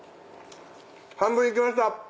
半分行きました！